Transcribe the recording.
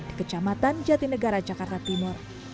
di kecamatan jati negara jakarta timur